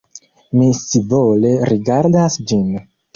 Mi scivole rigardas ĝin.